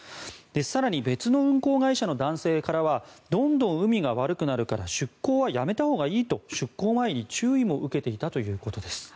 更に、別の運航会社の男性からはどんどん海が悪くなるから出航はやめたほうがいいと出航前に注意も受けていたということです。